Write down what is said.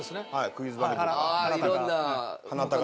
クイズ番組とか。